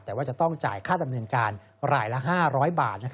แต่ว่าจะต้องจ่ายค่าดำเนินการรายละ๕๐๐บาท